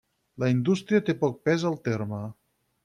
La indústria té poc pes al terme.